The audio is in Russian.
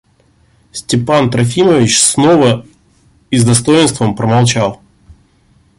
Степан Трофимович снова и с достоинством промолчал.